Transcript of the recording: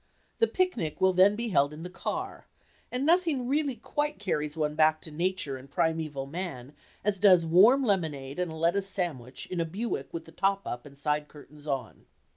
The "picnic" will then be held in the car, and nothing really quite carries one back to nature and primeval man as does warm lemonade and a lettuce sandwich in a Buick with the top up and side curtains on.